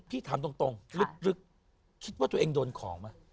พี่ถามตรงหรือคิดว่าตัวเองโดนของมั้ย